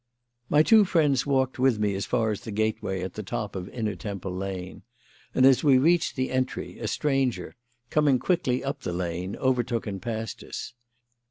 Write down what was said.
My two friends walked with me as far as the gateway at the top of Inner Temple Lane, and as we reached the entry a stranger, coming quickly up the Lane, overtook and passed us.